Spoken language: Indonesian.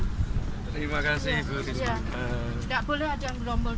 terima kasih bu risma